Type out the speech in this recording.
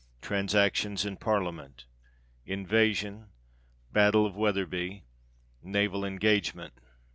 Transactions in Parliament. Invasion. Battle of Wetherby. Naval engagement.